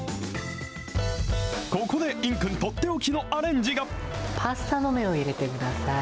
ここで、いんくん取って置きのアレンジが。